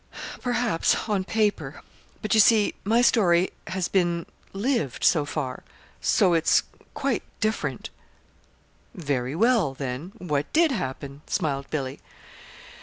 "Perhaps on paper; but, you see, my story has been lived, so far. So it's quite different." "Very well, then what did happen?" smiled Billy.